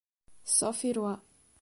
Sophie Rois